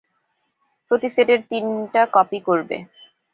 প্রতি সেটের তিনটা কপি করবে।